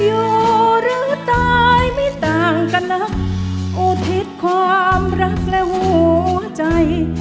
อยู่หรือตายไม่ต่างกันนักอุทิศความรักและหัวใจ